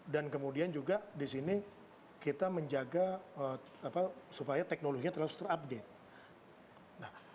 dan kemudian juga di sini kita menjaga supaya teknologinya terus terupdate